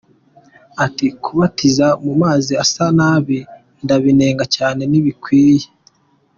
Ati ‘‘Kubatiza mu mazi asa nabi ndabinenga cyane ntibikwiye.